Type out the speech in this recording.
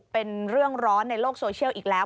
เป็นเรื่องร้อนในโลกโซเชียลอีกแล้ว